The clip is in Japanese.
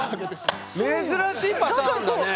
珍しいパターンだね。